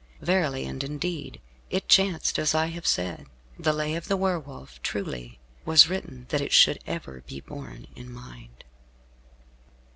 Verily and indeed it chanced as I have said. The Lay of the Were Wolf, truly, was written that it should ever be borne in mind.